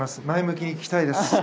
前向きに聞きたいです。